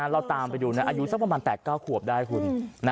เราตามไปดูอายุสักประมาณ๘๙ขวบได้คุณ